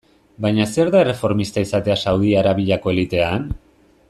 Baina zer da erreformista izatea Saudi Arabiako elitean?